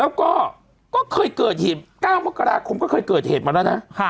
แล้วก็เคยเกิดเหตุ๙มกราคมก็เคยเกิดเหตุมาแล้วนะ